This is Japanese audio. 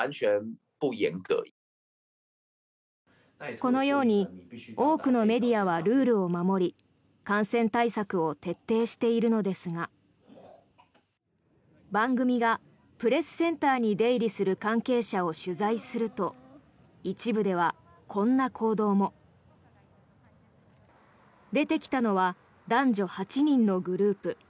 このように多くのメディアはルールを守り感染対策を徹底しているのですが番組がプレスセンターに出入りする関係者を取材すると一部では、こんな行動も。出てきたのは男女８人のグループ。